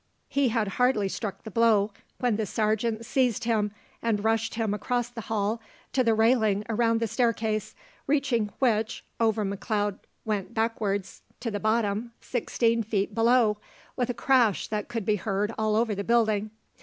He had hardly struck the blow, when the sergeant seized him, and rushed him across the hall to the railing around the staircase, reaching which, over McLeod went backwards to the bottom, sixteen feet below, with a crash that could be heard all over the building.